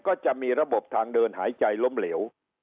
ก็จะมีระบบทางเดินหายใจล้มเหลว